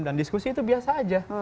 dan diskusi itu biasa aja